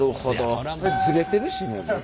ずれてるしもう。